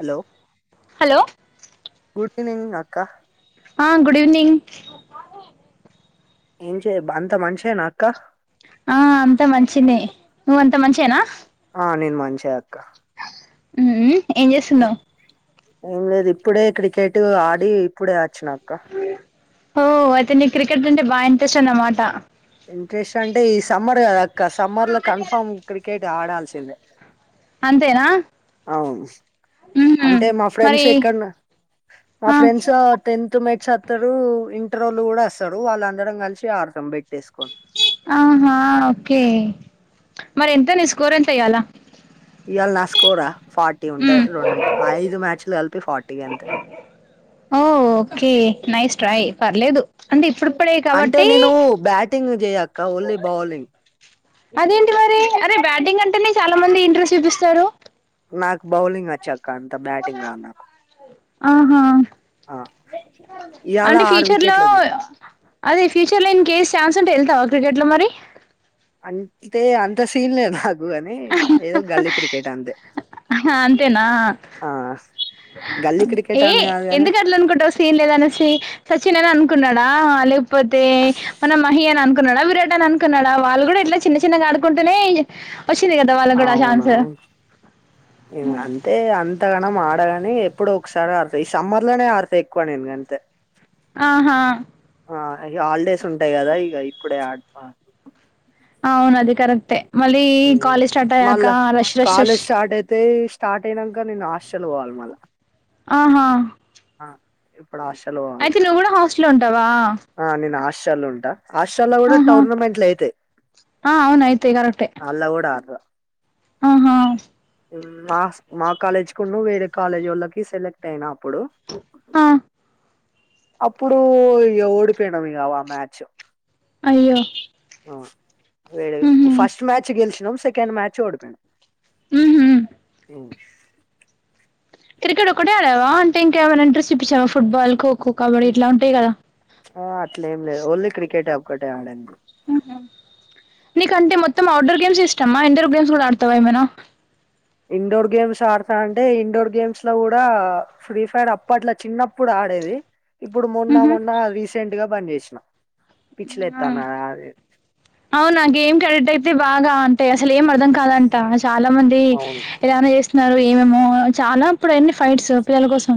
Hello hello good evening అక్కా హా good evening ఏం చేయ అంత మంచేనా అక్కా ఆ అంత మంచినే నువ్ అంత మంచేనా ఆ నేన్ మంచే అక్కా హ్మ్ ఏం చేస్తున్నావ్ ఏం లేదు ఇప్పుడే క్రికెట్ ఆడి ఇప్పుడే వచ్చినా అక్క ఓ అయితే నీక్ క్రికెట్ అంటే బాగ ఇంట్రెస్ట్ అన్నమాట ఇంట్రెస్ట్ అంటే ఈ సమ్మర్ కదాక్క సమ్మర్ లో కన్ఫామ్ క్రికెట్ ఆడాల్సిందే అంతేనా అవును మ్మ్ అంటే మా మరి ఫ్రెండ్స్ ఎక్కడన్నా మా ఆ ఫ్రెండ్స్ టెన్త్ మెట్స్ అత్తరు ఇంటరోల్లు కూడా అస్తారు వాళ్ళు అందరం కలిసి ఆడ్తం బెట్టేసుకోని ఆహా ఓకే మరి ఎంత నీ స్కోర్ ఎంత ఇయ్యాలా ఇవాళ నా స్కోరా ఫార్టీ మ్మ్ ఉంటది రెండు ఐదు మ్యాచ్లు కలిపి ఫార్టీ గంతే ఓ ఓకే నైస్ ట్రై పర్లేదు అంటే ఇప్పుడిప్పుడే అంటే కాబట్టి నేను బ్యాటింగ్ చేయక్కా ఓన్లీ బౌలింగ్ అదేంటి మరి అరే బ్యాటింగ్ అంటేనే చాలా మంది ఇంట్రెస్ట్ చూపిస్తారు నాకు బౌలింగ్ వచ్చక్క అంత బ్యాటింగ్ రాద్ నాకు ఆహ ఆ ఇయాల అంటే ఆరు ఫ్యూచర్ లో వికెట్లది అదే ఫ్యూచర్లో ఇంకే స్ ఛాన్స్ంటే వెళ్తావ క్రికెట్లో మరి అంతే అంత సీన్లేదు నాకు అని ఏదో గల్లి క్రికేట్ అంతే హ అంతేన ఆ గల్లీ క్రికెట్ ఏ అని కాదు కాని ఎందుక్ అట్లు అనుకుంటావ్ తీన్లేద అనేసి సచిన్ అని అనుకున్నాడ లేకపోతే మన మహి అని అనుకున్నాడా విరాట్ అన్న అనుకున్నాడా వాళ్ళు కూడా ఇట్లా చిన్న చిన్నగా ఆడుకుంటూనే వచ్చింది. కదా వాళ్ళక్ కూడ ఆ అవును ఛాన్స్ అయితే అంతగనం ఆడగాని ఎప్పుడు ఒకసారి ఆడుతా ఈ సమ్మర్ లోనే ఆడతా ఎక్కువ నేను గంతె ఆహ ఆ ఇ గ హాలిడేస్ ఉంటాయి కదా ఇక ఇప్పుడే ఆ అవును అది కరెక్టే మళ్ళీ ఈ ఉమ్. కాలేజ్ స్టార్ట్ అయ్యాక మళ్ళా rush rush rush college start అయితె స్టార్ట్ అయినాంక నేను హాస్టల్ పోవాలి మళ్ల ఆహా ఇ ఆ ప్పుడు హాస్టల్లో అయితే నువ్వు కూడ హాస్టల్లో ఉంటవా ఆ నేను హాస్టల్లో ఉంటా హాస్టల్లో కూడా ఆహా టోర్నమెంట్లు అయితే ఆ అవును అయితే అళ కూడా అహా మా మా కాలేజ్ కు ను వేరే కాలేజ్ వాళ్ళకి సెలెక్ట్ అయినప్పుడు ఆ అప్పుడు ఓడిపోయినా వ్ ఇగ ఆ మ్యాచ్ అయ్యో ఆ వే ఉహు ఫస్ట్ మ్యాచ్ గెలిచినాం సెకండ్ మ్యాచ్ ఓడిపోం ఉహు ుష్ క్రికెట్ ఒకటే ఆడావా అంటే ఇంకా ఏమై ఇంట్రెస్ట్ చూపించావా ఫుట్బాల్ కోకో కబడ్డి ఇట్లా ఉంటాయి కదా ఆ అట్లే ఏం లేదు ఓన్లీ క్రికెటే ఒక్కటే ఆడండి నీక అంటే మొత్తం అవుట్డోర్ గేమ్స్ ఇష్టమా ఇండోర్ గేమ్స్ కూడా ఆడుతావా ఏమైన ఇండోర్ గేమ్స్ ఆడతా అంటే ఇండోర్ గేమ్స్ లో కూడా ఫ్రీ ఫైర్ అప్పట్ల చిన్నప్పుడు ఆడేది ఇప్పుడు మొన్న ఉహు మొన్న రీసెంట్ గా పనిచేసిన పిచ్చి లేత్తాను అ అవునా గేమ్ కరెక్ట్ అయితే బాగా అంటే అసలు ఏం అర్థం కాాలంటే త చాలా మంది అవును ఎలానో చేస్ న్నారు ఏమేమో చాలా ఇప్పుడు ఎన్ని ఫైట్స్ పిల్లల కోసం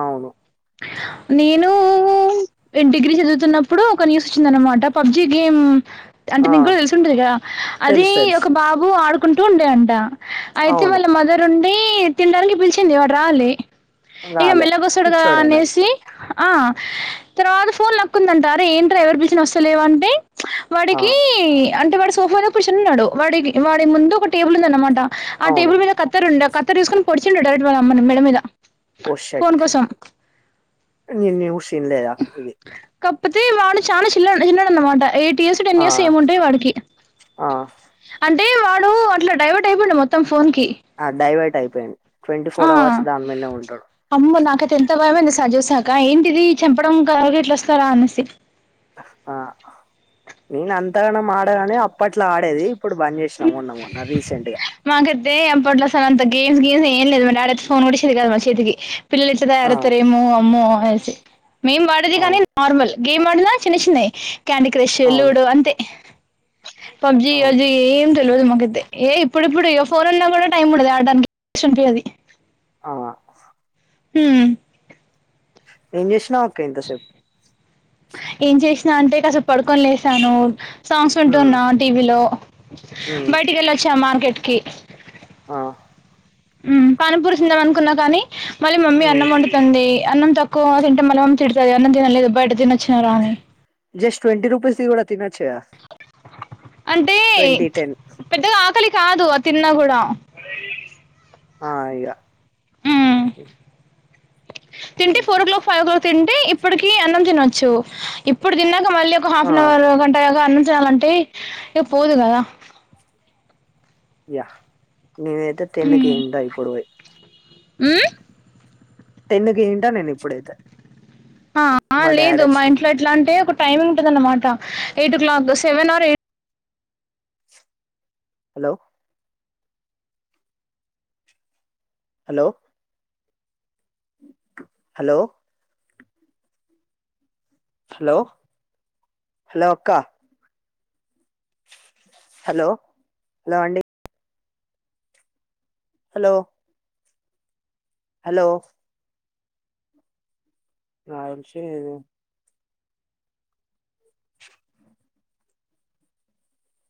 అవును నేనూ నేన్ డిగ్రీ చదువుతున్నప్పుడు ఒక న్యూస్ వచ్చింది అనమాట పబ్జి గేమ్ అంటే ఆ నీకు కూడ తెలిసి ఉంటది కదా అది తెలుసు తెలుసు ఒక బాబు ఆడుకుంటూ ఉండేయంట అయితే అవును వాళ్ళ మదర్ ఉండి తినడానికి పిలిచింది వాడు రావాలి ఇక రాలే మెల్లగొస్తడు గ పిచ్చోడేనా ఆనే అది. సి ఆ తర్వాత ఫోన్ లాక్కుందంట అరె ఏంట్ర ఎవరు పిలిచిన వస్తలేవ అంటే ఆ వాడికి అంటే వాడి సోఫా లో కూర్చుని ఉన్నాడు వాడికి వాడి ముందు ఒక టేబుల్ ఉందన్నమాట ఆ అవును టేబుల్ మీద కత్తెర ఉండె కత్తెర తీసుకుని పొడిచిండు డైరెక్ట్ వాళ్ల అమ్మను మెడ మీద ఓషట్ సమ్ నేను న్యూస్ ఇనలేద ఇది కాకపోతే వాడు చానా చిన్నో చిన్నోడు అన్న మాట ఎయిట్ ఇయర్స్ టెన్ ఆ ఇయర్స్ ఏమో ఉంటాయి వాడికి ఆ అంటే వాడు అట్లా డ్రైవర్ట్ అయిపోయిండు మొత్తం ఫోన్ కి ఆ డైవర్ట్ అయిపోయుండు ట్వంటీ ఆ ఫోర్ అవర్స్ దాని మీదనే ఉంటాడు అమ్మో నాక అయితే ఎంత భయమైంది అధిచూసినాక ఏంటిది చంపడం గవగ ఎట్ల వస్తారా అనేసి ఆ నేను అంతగానం ఆడగానే అప్పట్లో ఆడేది ఇప్పుడు బంద్ చేసినా మొన్న మొన్న రీసెంట్ గా మాకైతే అప్పట్ల అస అంత గేమ్స్ గేమ్స్ ఏం లేదు మ డాడీ అయితే ఫోన్ కూడా ఇచ్చేది లేదు మా చేతికి పిల్లలు ఇట్ల ఆ తయారుతారేమో అమ్మో అనే మేము వాడేది గాని అవును నార్మల్ గేమ్ ఆడిన చిన్న చిన్నవి క్యాండీ క్రష్ అవును లూడో అంతే పబ్జి అవును రజ ఏం తెలివదు మాకు గతే ఏ ఇప్పుడు ఇప్పుడు ఇగ పోనున్నాకూడా టైం ఉండదు ఆడడానికి సోంపు అవి అ ఉమ్ ఏం చేస్తున్నావ్ అక్క ఇంత సేపు ఏం చేసినా అంటే కాసేపు పడుకొని లేసాను సాంగ్స్ ఉమ్ విన్టున్నా టీవీలో ఉమ్ బయటికి వెళ్ళొచ్చా మార్కెట్ కి ఆ పానిపురి తిన్దాం అనుకున్నా కానీ మళ్ళీ మమ్మీ ఉమ్ అన్నం వండుతుంది అన్నం త క్కువ తింటే మల్ల తిడుతుంది అన్నం తినలేదు బయట తిని వచ్చారా అని జస్ట్ ట్వంటీ రూపీస్ ది కూడా తిన్నొచ్చుగా అంటే టెన్ పెద్దగా ఆకలి కాదు ఆ తిన్నా కూడా హా యా ఉమ్ తింటే ఫోర్ ఓక్లాక్ ఫైవ్ ఓక్లాక్ తింటే ఇ ఇప్పటికి అన్నం తినొచ్చు ఇప్పుడు తిన్నాక మళ్ళీ ఒక హాఫ్ ఆ అన్ అవర్ గంట అయ్యాక అన్నం తినాలంటే ఇగ పోదు కదా యా నేనైతే టెన్ కి తింటా ఇప్పుడు ఉమ్ టెన్కి తింటా నేను ఇప్పుడైతే ఆ మా డాడీ లేదు మా ఇంట్లో వచ్చిండు ఎట్లా అంటే ఒక టైమింగ్ ఉంటదన్నమాట eight o'clock seven or eight hello hello hello hello hello అక్క హలో హలో అండి హలో హలో బలెన్సెలేదు